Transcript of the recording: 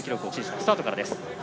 スタートからです。